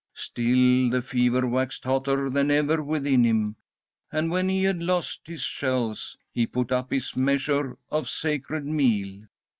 "Still the fever waxed hotter than ever within him, and, when he had lost his shells, he put up his measure of sacred meal.